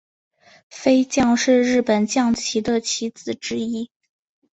飞将是日本将棋的棋子之一。